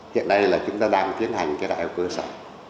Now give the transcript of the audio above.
hiện đây là chúng ta đang tiến hành cái đại hội cơ sở